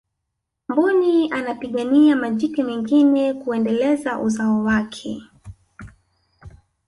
mbuni anapigania majike mengine kuendeleza uzao wake